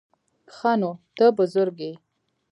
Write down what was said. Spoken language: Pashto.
_ښه نو، ته بزرګ يې؟